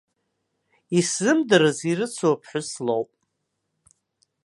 Исзымдырыз ирыцу аԥҳәыс лоуп.